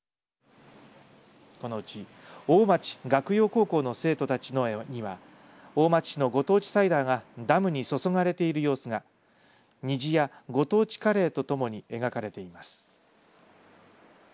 このうち大町岳陽高校の生徒たちの絵には大町市のご当地サイダーがダムに注がれている様子が虹やご当地カレーとともに描かれています。